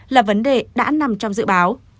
là vấn đề đã nằm trong dự báo